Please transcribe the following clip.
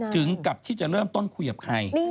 ถึงกับที่จะเริ่มต้นคุยกับใคร